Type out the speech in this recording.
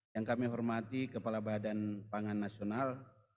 yang kami hormati kepala badan pangan nasional